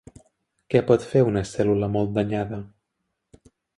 Què pot fer una cèl·lula molt danyada?